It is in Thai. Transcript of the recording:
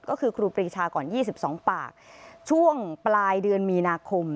ก็คือครูปรีชาก่อน๒๒ปากช่วงปลายเดือนมีนาคม